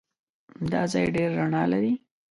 دا ځای ډېر رڼا لري.